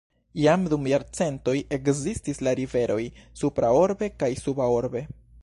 Jam dum jarcentoj ekzistis la riveroj "Supra Orbe" kaj "Suba Orbe".